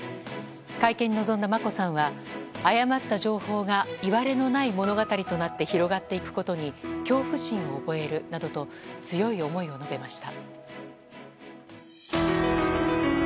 会見に臨んだ眞子さんは誤った情報がいわれのない物語となって広がっていくことに恐怖心を覚えるなどと強い思いを述べました。